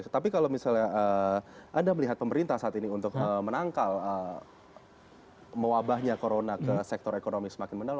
tetapi kalau misalnya anda melihat pemerintah saat ini untuk menangkal mewabahnya corona ke sektor ekonomi semakin mendalam